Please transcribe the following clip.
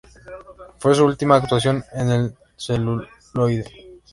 Fue su última actuación en el celuloide.